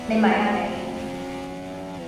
你咪呀你